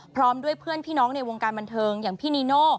พร้อมด้วยเพื่อนพี่น้องในวงการบันเทิงอย่างพี่นีโน่